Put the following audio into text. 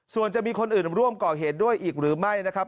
ส่วนจะมีคนอื่นร่วมก่อเหตุด้วยอีกหรือไม่นะครับ